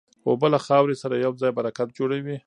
اوبه له خاورې سره یوځای برکت جوړوي.